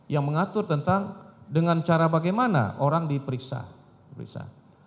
yang mengatur tentang dengan cara bagaimana orang diperiksa